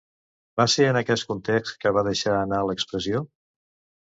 Va ser en aquest context que va deixar anar l'expressió?